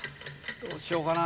どうしようかな。